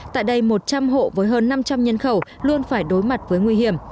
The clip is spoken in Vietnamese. tại đây một trăm linh hộ với hơn năm trăm linh nhân khẩu luôn phải đối mặt với nguy hiểm